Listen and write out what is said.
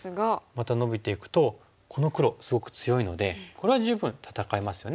またノビていくとこの黒すごく強いのでこれは十分戦えますよね。